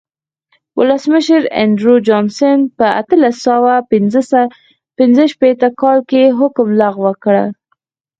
ولسمشر اندرو جانسن په اتلس سوه پنځه شپېته کال کې حکم لغوه کړ.